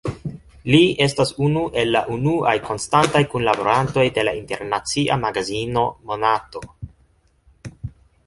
Li estis unu el la unuaj konstantaj kunlaborantoj de la internacia magazino "Monato".